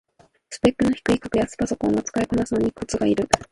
スペックの低い格安パソコンは使いこなすのにコツがいる